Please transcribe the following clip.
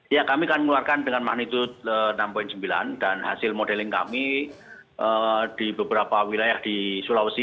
ya kami akan mengeluarkan dengan magnitude enam sembilan dan hasil modeling kami di beberapa wilayah di sulawesi